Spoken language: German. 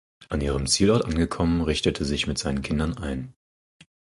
An ihrem Zielort angekommen richtete sich mit seinen Kindern ein.